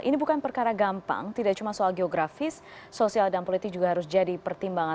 ini bukan perkara gampang tidak cuma soal geografis sosial dan politik juga harus jadi pertimbangan